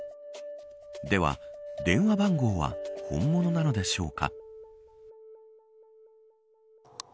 では電話番号は本物なのでしょうか。